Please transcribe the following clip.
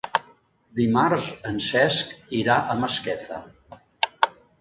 Dimarts en Cesc irà a Masquefa.